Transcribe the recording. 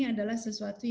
dan juga porsi disharmony